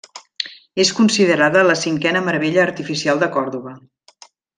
És considerada la cinquena Meravella Artificial de Còrdova.